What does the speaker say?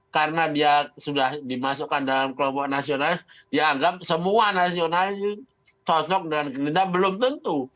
karena dia sudah dimasukkan dalam kelompok nasional dianggap semua nasional itu cocok dan kelima belum tentu